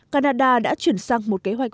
canada đã chuyển sang một kế hoạch